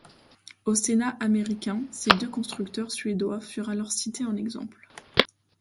Au Sénat américain, ces deux constructeurs suédois furent alors cités en exemple.